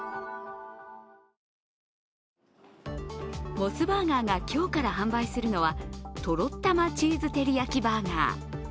モスバーガーが今日から販売するのはとろったまチーズテリヤキバーガー。